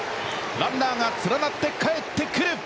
ランナーが連なって帰ってくる。